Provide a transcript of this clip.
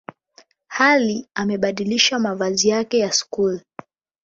Ali amebadilisha mavazi yake ya Skuli.